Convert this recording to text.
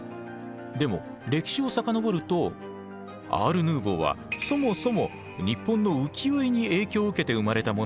でも歴史を遡るとアール・ヌーヴォーはそもそも日本の浮世絵に影響を受けて生まれたものなんです。